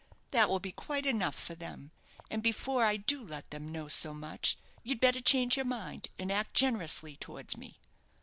That will be quite enough for them; and before I do let them know so much, you'd better change your mind, and act generously towards me."